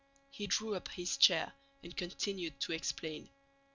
He drew up his chair, and continued to explain.